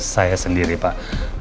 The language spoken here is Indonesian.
saya sendiri pak